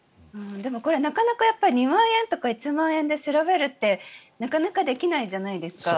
でも、なかなか２万円とか１万円で調べるって、なかなかできないじゃないですか。